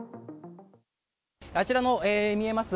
あちらに見えます